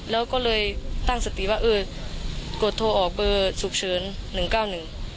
แล้วก็เลยตั้งสติว่าเออกดโทรออกเบอร์สุขเฉิน๑๙๑